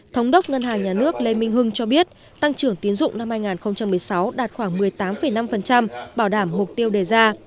thống đốc ngân hàng nhà nước lê minh hưng cho biết tăng trưởng tín dụng năm hai nghìn một mươi sáu đạt khoảng một mươi tám năm bảo đảm mục tiêu đề ra